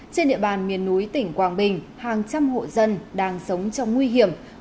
trên địa bàn miền núi tỉnh quảng bình hàng trăm hộ dân đang sống trong nguy hiểm